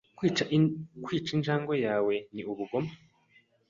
Kwica injangwe yawe ni ubugome?